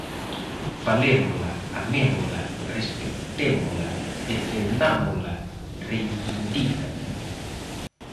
Falémola, amémola, respectémola, defendámola, reivindican.